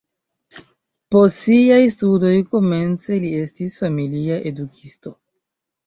Post siaj studoj komence li estis familia edukisto.